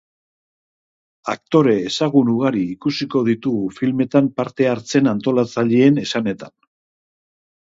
Aktore ezagun ugari ikusiko ditugu filmetan parte hartzen antolatzaileen esanetan.